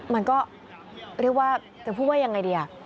มันก็เรียกว่าจะพูดว่ายังไงดี